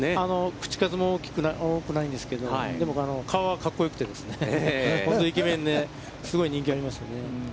口数は多くないんですけど、顔はかっこよくてですね、本当イケメンで、すごい人気がありますね。